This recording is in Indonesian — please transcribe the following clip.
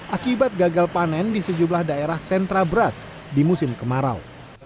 akibat gagal panen di sejumlah daerah sentra beras di musim kemarau